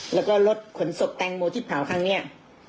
แล้วก็รถขนศพแตงโมที่เผาครั้งนี้